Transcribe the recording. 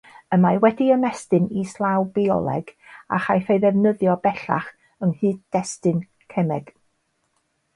Y mae wedi ymestyn islaw bioleg a chaiff ei ddefnyddio bellach yng nghyd-destun cemeg.